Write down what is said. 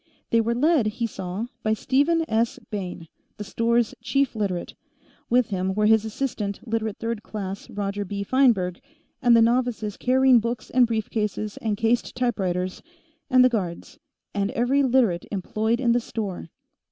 They were led, he saw, by Stephen S. Bayne, the store's Chief Literate; with him were his assistant, Literate Third Class Roger B. Feinberg, and the novices carrying books and briefcases and cased typewriters, and the guards, and every Literate employed in the store.